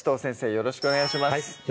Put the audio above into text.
よろしくお願いします